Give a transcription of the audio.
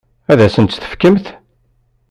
Ad asent-tent-tefkemt?